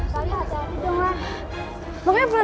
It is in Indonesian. makanya pelan pelan kenapa